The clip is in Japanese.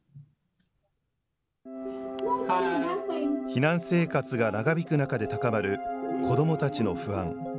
避難生活が長引く中で高まる子どもたちの不安。